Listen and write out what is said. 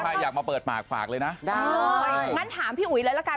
ถ้าใครอยากมาเปิดปากฝากเลยนะก็ถามพี่อุ๊ยเลยแล้วกัน